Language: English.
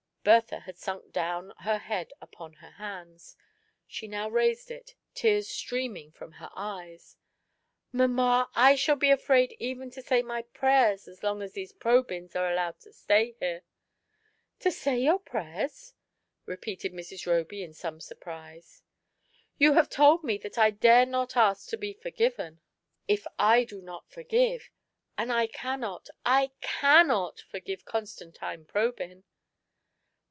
Bertha had sunk down her head upon her hands; she now raised it, tears streaming from her eyes. " Mamma^ I shall be afraid even to say my prayers as long as these Probyns are allowed to stay here." " To say your prayers !" repeated Mrs. Roby in some surprise. " You have told me that I dare not ask to be forgiven SLTNDAY AT DOVE'S NEST. 93 if I do not forgive, and I cannot — I cannot forgive Constantine Probyn